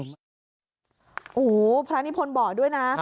โอ้โหพระนิพนธ์บอกด้วยนะ